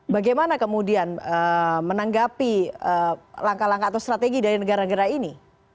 bagaimana kemudian menanggapi langkah langkah atau strategi dari negara negara ini